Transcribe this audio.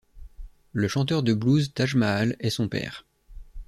Le chanteur de blues Taj Mahal est son père.